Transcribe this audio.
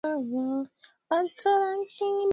serikali ya mseveni inawakandamiza wapinzani wake